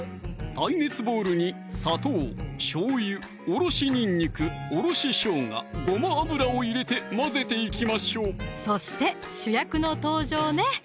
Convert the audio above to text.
耐熱ボウルに砂糖・しょうゆ・おろしにんにく・おろししょうが・ごま油を入れて混ぜていきましょうそして主役の登場ね！